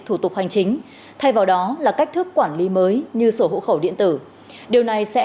thủ tục hành chính thay vào đó là cách thức quản lý mới như sổ hộ khẩu điện tử điều này sẽ